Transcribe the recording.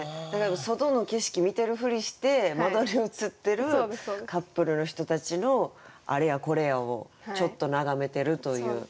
外の景色見てるふりして窓に映ってるカップルの人たちのあれやこれやをちょっと眺めてるという。